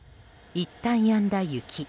いったんやんだ雪。